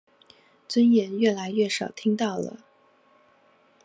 尊嚴越來越少聽到了